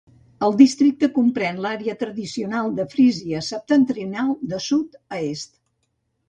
El districte comprèn l'àrea tradicional de Frísia Septentrional de sud a est.